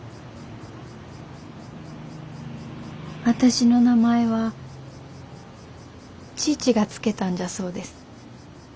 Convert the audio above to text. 私の名前は父が付けたんじゃそうです。